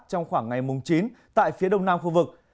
trong khoảng ngày mùng chín tại phía đông nam khu vực